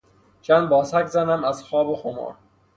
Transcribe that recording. چند باسک زنم از خواب و خمار.